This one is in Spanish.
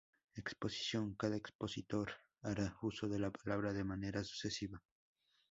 Exposición: Cada expositor hará uso de la palabra, de manera sucesiva.